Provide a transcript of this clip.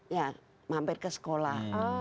ya mampir ke sekolah